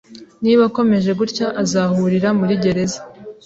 Niba akomeje gutya, azahurira muri gereza.